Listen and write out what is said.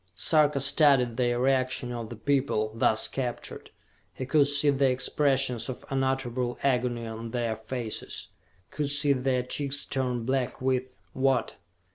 Sarka studied the reaction of the people, thus captured. He could see the expressions of unutterable agony on their faces, could see their cheeks turn black with what?